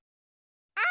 あ。